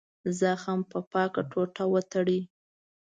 زخم په پاکه ټوټه وتړئ.